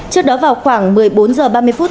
trước đó vào khoảng một mươi bốn h ba mươi phút